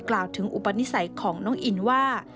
กล่าวถึงอุปนิสัยของน้องอินว่า